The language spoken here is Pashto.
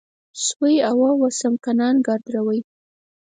سوی اوه و سمکنان کرد روی